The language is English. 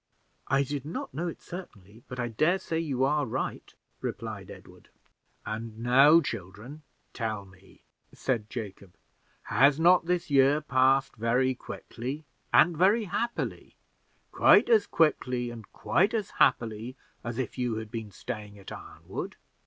"I did not know it, certainly, but I dare say you are right," replied Edward. "And now, children, tell me," said Jacob, "has not this year passed very quickly and very happily quite as quickly and quite as happily as if you had been staying at Arnwood?"